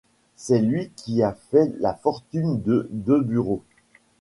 C’est lui qui a fait la fortune de Debureau.